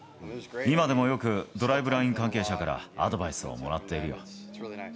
今でもよくドライブライン関係者からアドバイスをもらっているよ。